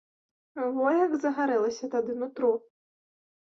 Во як загарэлася тады нутро.